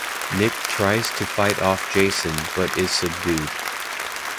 Nick tries to fight off Jason but is subdued.